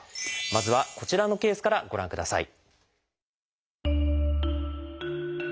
まずはこちらのケースからご覧ください。